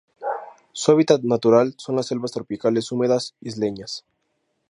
Su hábitat natural son las selvas tropicales húmedas isleñas.